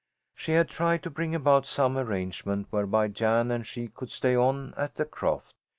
She had tried to bring about some arrangement whereby Jan and she could stay on at the croft.